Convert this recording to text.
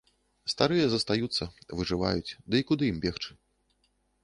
Старыя застаюцца, выжываюць, ды і куды ім бегчы?